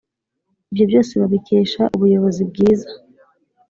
ibyo byose babikesha ubuyobozi bwiza